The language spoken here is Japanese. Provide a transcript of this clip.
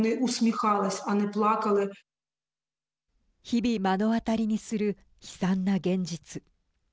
日々、目の当たりにする悲惨な現実。